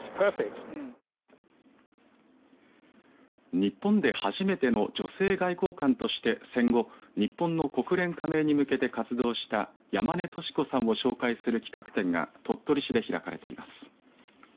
日本で初めての女性外交官として、戦後日本の国連加盟に向けて活動した山根敏子さんを紹介する企画展が鳥取市で開かれています。